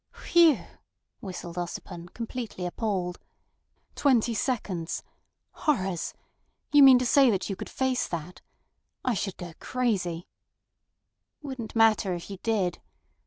"Phew!" whistled Ossipon, completely appalled. "Twenty seconds! Horrors! You mean to say that you could face that? I should go crazy—" "Wouldn't matter if you did.